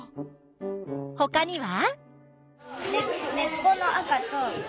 ほかには？